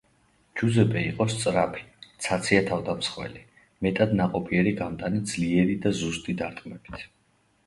ჯუზეპე იყო სწრაფი, ცაცია თავდამსხმელი, მეტად ნაყოფიერი გამტანი ძლიერი და ზუსტი დარტყმებით.